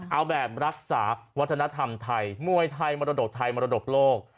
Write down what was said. เอาแบบรักษาวัฒนธรรมไทยมวยไทยมรดกไทยมรดกโลก